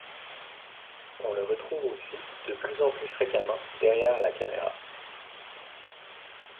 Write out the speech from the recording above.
On le retrouve aussi de plus en plus fréquemment derrière la caméra.